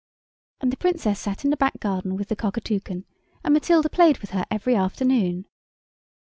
And the Princess sat in the back garden with the Cockatoucan, and Matilda played with her every afternoon.